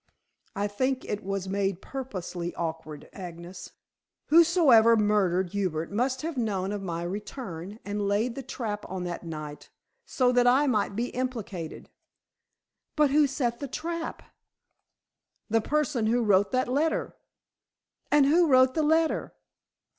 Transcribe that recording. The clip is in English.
"I think it was made purposely awkward, Agnes. Whosoever murdered Hubert must have known of my return, and laid the trap on that night, so that I might be implicated." "But who set the trap?" "The person who wrote that letter." "And who wrote the letter?"